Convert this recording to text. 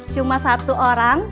cuma satu orang